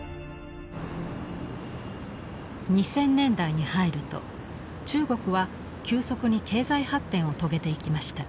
２０００年代に入ると中国は急速に経済発展を遂げていきました。